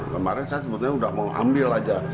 kemarin saya sebetulnya udah mau ambil aja